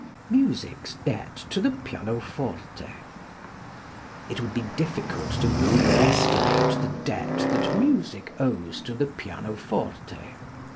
Music's Debt to the Pianoforte. It would be difficult to overestimate the debt that music owes to the pianoforte.